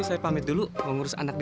saya pamit dulu mau ngurus anak di talked